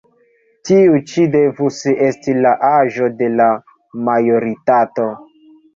Tiu ĉi devus esti la aĝo de la majoritato».